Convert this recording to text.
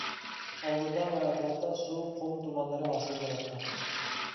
ئالدىدا ۋە ئەتراپتا سۇس قۇم تۇمانلىرى ھاسىل بولاتتى.